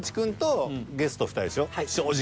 正直。